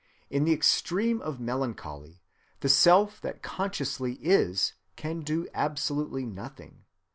In the extreme of melancholy the self that consciously is can do absolutely nothing.